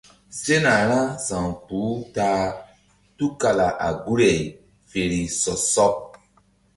Sena ra sa̧wkpuh u ta a tukala a guri ay fe ri sɔ sɔɓ.